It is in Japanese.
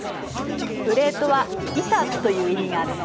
プレートは「板」という意味があるの。